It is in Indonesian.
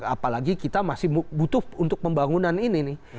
apalagi kita masih butuh untuk pembangunan ini nih